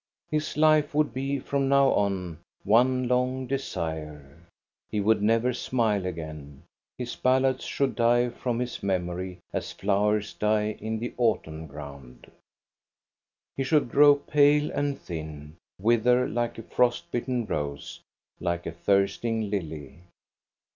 His life would be, from now on, one long desire. He would never smile again; hs ballads should die from his memory as flowers 322 THE STORY OF GOSTA BERUNG die in the autumn ground. He should grow pale and (hin, wither like a frost bitten rose, like a thirst ' ing lily.